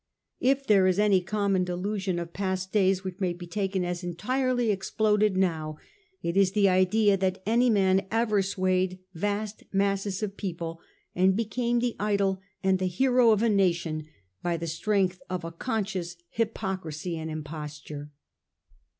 If there is any common delusion of past days which may he taken as entirely exploded now, it is the idea that any man ever swayed vast masses of people, and became the idol and the hero of a nation, by the strength of a conscious hypocrisy and imposture.